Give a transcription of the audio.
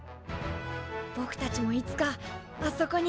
ぼくたちもいつかあそこに。